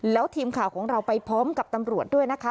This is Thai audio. แล้วทีมข่าวของเราไปพร้อมกับตำรวจด้วยนะคะ